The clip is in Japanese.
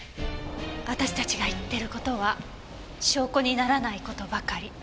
私達が言ってる事は証拠にならない事ばかり。